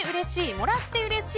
もらってうれしい！